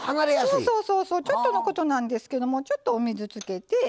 ちょっとのことなんですけどもちょっとお水つけて。